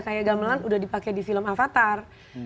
kayak gamelan udah dipakai di film avatar